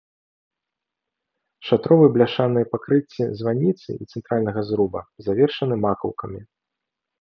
Шатровыя бляшаныя пакрыцці званіцы і цэнтральнага зруба завершаны макаўкамі.